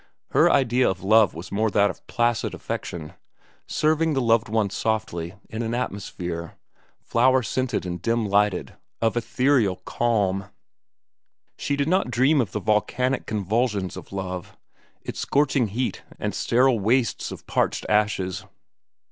Her idea of love was more that of placid affection, serving the loved one softly in an atmosphere, flower scented and dim lighted, of ethereal calm. She did not dream of the volcanic convulsions of love, its scorching heat and sterile wastes of parched ashes.